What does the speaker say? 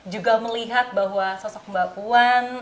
juga melihat bahwa sosok mbak puan